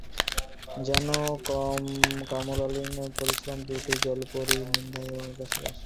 যেন কামলীলায় পরিশ্রান্ত দুটো জলপরী নিদ্রা-দেবীর কোলে আশ্রয় নিয়েছে।